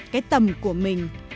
cái tầm của mình